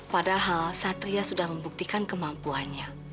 padahal satria sudah membuktikan kemampuannya